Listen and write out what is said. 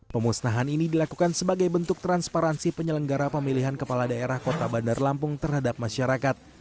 pemusnahan ini dilakukan sebagai bentuk transparansi penyelenggara pemilihan kepala daerah kota bandar lampung terhadap masyarakat